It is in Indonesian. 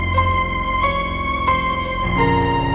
kangen cuy teh kenapa